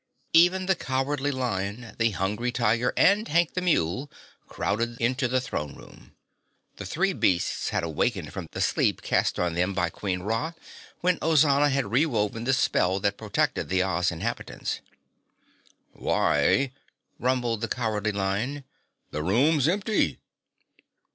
Even the Cowardly Lion, the Hungry Tiger and Hank the Mule crowded into the throne room. The three beasts had awakened from the sleep cast on them by Queen Ra when Ozana had re woven the spell that protected the Oz inhabitants. "Why," rumbled the Cowardly Lion, "the room's empty!"